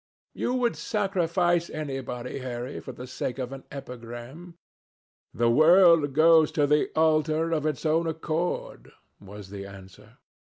"You would sacrifice anybody, Harry, for the sake of an epigram." "The world goes to the altar of its own accord," was the answer.